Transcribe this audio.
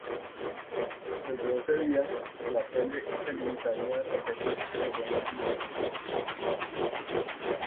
Desde ese día, La Tele se limitaría a repetir programas viejos.